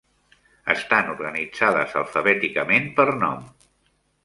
Estan organitzades alfabèticament per nom.